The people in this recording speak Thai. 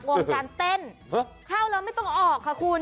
วงการเต้นเข้าแล้วไม่ต้องออกค่ะคุณ